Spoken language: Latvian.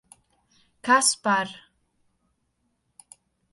Kas par...